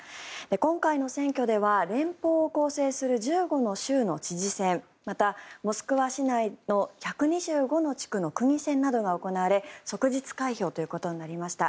今回の選挙では連邦を構成する１５の州の知事選また、モスクワ市内の１２５の地区の区議選などが行われ即日開票となりました。